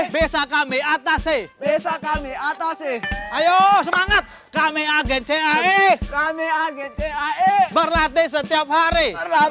bisa kami atasi bisa kami atasi ayo semangat kami agen cai kami agca berlatih setiap hari